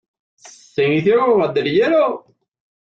Se inició como banderillero.